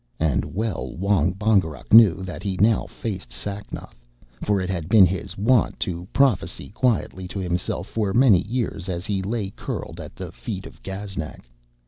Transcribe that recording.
And well Wong Bongerok knew that he now faced Sacnoth, for it had been his wont to prophesy quietly to himself for many years as he lay curled at the feet of Gaznak.